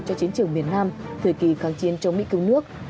cho chiến trường miền nam thời kỳ kháng chiến chống mỹ cứu nước